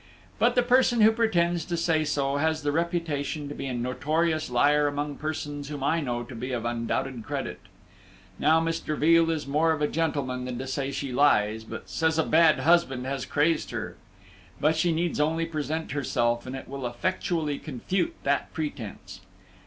But the person who pretends to say so has the reputation to be a notorious liar among persons whom I know to be of undoubted credit. Now, Mr. Veal is more of a gentleman than to say she lies, but says a bad husband has crazed her; but she needs only present herself, and it will effectually confute that pretence.